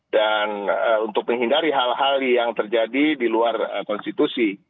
dan untuk menghindari hal hal yang terjadi di luar konstitusi